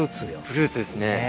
フルーツですね。